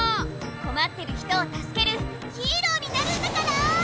こまってる人をたすけるヒーローになるんだから！